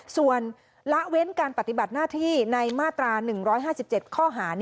ส่วนละเว้นการปฏิบัติหน้าที่ในมาตรา๑๕๗ข้อหา